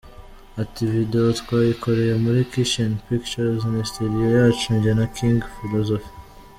Ati “Video twayikoreye muri Kitchen Pictures, ni studio yacu njye na King Philosophe.